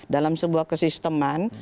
dalam sebuah kesisteman